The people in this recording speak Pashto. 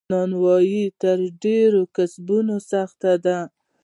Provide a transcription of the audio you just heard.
نانوایې تر ډیرو کسبونو سخته ده.